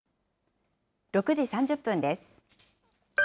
６時３０分です。